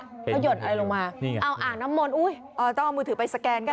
เขาหยดอะไรลงมาเอาอ่างน้ำมนต์ต้องเอามือถือไปสแกนก็